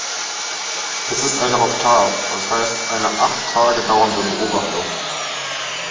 Es ist eine Oktav, d. h, eine acht Tage dauernde Beobachtung.